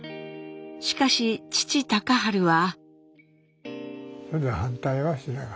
しかし父隆治は。